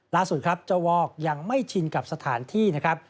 ล่าสุดครับเจ้าวอกยังไม่ชินกับสถานที่นะครับ